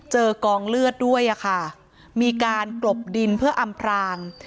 กองเลือดด้วยอะค่ะมีการกลบดินเพื่ออำพราง